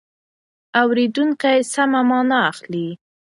اورېدونکی سمه مانا اخلي.